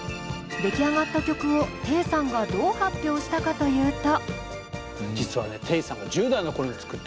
出来上がった曲をテイさんがどう発表したかというと。